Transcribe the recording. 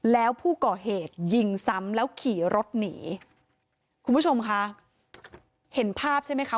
แล้วผู้ก่อเหตุยิงซ้ำแล้วขี่รถหนีคุณผู้ชมค่ะเห็นภาพใช่ไหมคะ